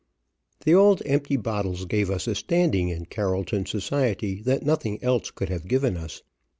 The old empty bottles gave us a standing in Carrollton society that nothing else could have given us.